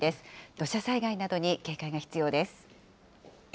土砂災害などに警戒が必要です。